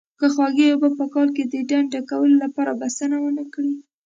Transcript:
که خوږې اوبه په کال کې د ډنډ ډکولو لپاره بسنه ونه کړي.